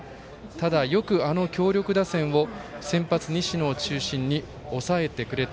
ただ、よく、あの強力打線を先発、西野を中心に抑えてくれた。